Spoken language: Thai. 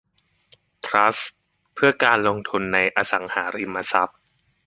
ทรัสต์เพื่อการลงทุนในอสังหาริมทรัพย์